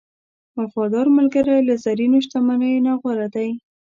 وفادار ملګری له زرینو شتمنیو نه غوره دی.